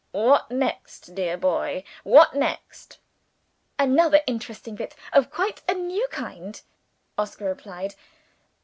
"What next, dear boy? what next?" "Another interesting bit, of quite a new kind," Oscar replied.